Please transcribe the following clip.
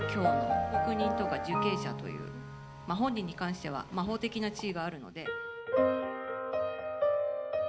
被告人とか受刑者という本人に関しては法的な地位があるので。